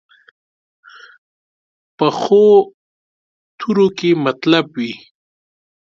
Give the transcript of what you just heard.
پخو تورو کې مطلب وي